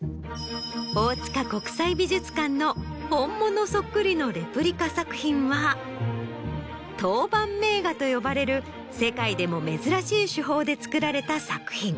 大塚国際美術館の本物そっくりのレプリカ作品は陶板名画と呼ばれる世界でも珍しい手法で作られた作品。